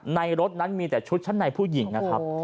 ในรถนั้นมีแต่ชุดชั้นในผู้หญิงนะครับ